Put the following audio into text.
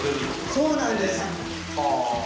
そうなんです。